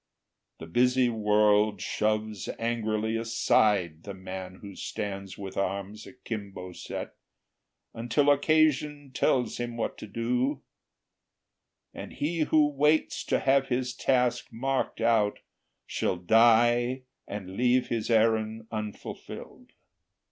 The busy world shoves angrily aside The man who stands with arms akimbo set, Until occasion tells him what to do; And he who waits to have his task marked out Shall die and leave his errand unfulfilled.